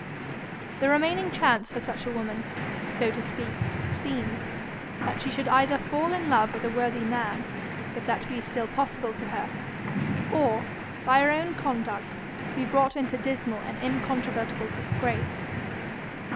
The remaining chance for such a woman, so to speak, seems that she should either fall in love with a worthy man, if that be still possible to her, or, by her own conduct, be brought into dismal and incontrovertible disgrace.